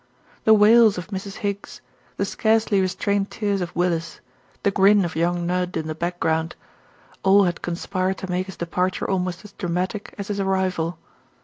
The wails of Mrs. Higgs, the scarcely restrained tears of Willis, the grin of young Nudd in the back ground; all had conspired to make his departure almost as dramatic as his arrival.